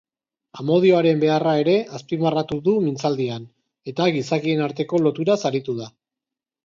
Amodioaren beharra ere azpimarratu du mintzaldian, eta gizakien arteko loturaz aritu da.